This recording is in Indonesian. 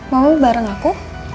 mau lo bareng aku